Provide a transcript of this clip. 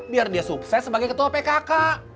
biar dia sukses sebagai ketua pkk